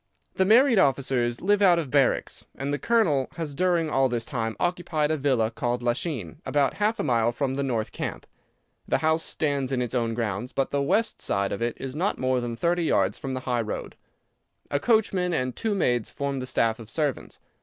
The married officers live out of barracks, and the Colonel has during all this time occupied a villa called Lachine, about half a mile from the north camp. The house stands in its own grounds, but the west side of it is not more than thirty yards from the high road. A coachman and two maids form the staff of servants.